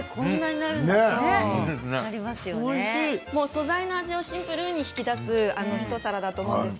素材の味をシンプルに引き出す一皿だと思うんです